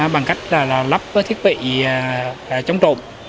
bằng cách lắp thiết bị chống trộm